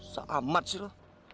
samad sih lu